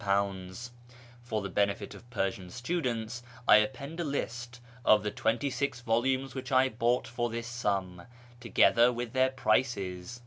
Por the benefit of Persian students, I append a list of the twenty six | volumes which I bought for this sum, together with their prices.